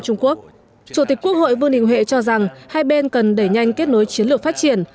chủ tịch quốc hội vương đình huệ cho rằng hai bên cần đẩy nhanh kết nối chiến lược phát triển